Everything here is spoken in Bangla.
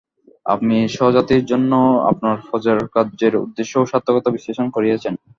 আপনি স্বজাতির জন্য আপনার প্রচারকার্যের উদ্দেশ্য ও সার্থকতা বিশ্লেষণ করিয়াছেন।